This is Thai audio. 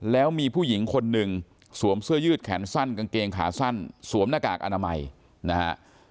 แล้วมีผู้หญิงคนหนึ่งสวมเสื้อยืดแขนสั้นกางเกงขาสั้นสวมหน้ากากอนามัยนะฮะ